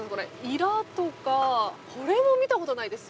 イラとかこれも見たことないです。